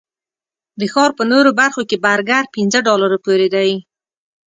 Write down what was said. د ښار په نورو برخو کې برګر پنځه ډالرو پورې دي.